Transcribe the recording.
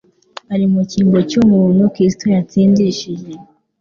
Ari mu cyimbo cy’umuntu, Kristo yatsindishije